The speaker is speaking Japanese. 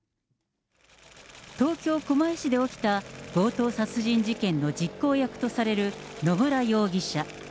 東京・狛江市で起きた強盗殺人事件の実行役とされる野村容疑者。